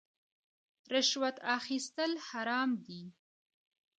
رشوت اخیستل حرام دي